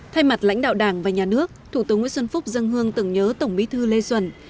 thay mặt lãnh đạo đảng và nhà nước thủ tướng nguyễn xuân phúc dân hương tưởng nhớ tổng bí thư lê duẩn